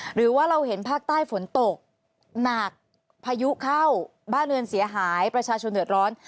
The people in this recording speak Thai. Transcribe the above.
หรือว่าเราเห็นภาคใต้ฝนตกหนักพายุเข้าบ้านเรือนเสียหายประชาชนเดือดร้อน